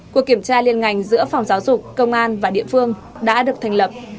cuộc kiểm tra liên ngành giữa phòng giáo dục công an và địa phương đã được thành lập